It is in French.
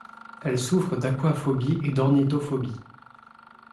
Elle souffre d'aquaphobie et d'ornitophobie.